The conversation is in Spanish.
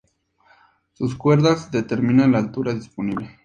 Sus cuerdas determinan la altura disponible.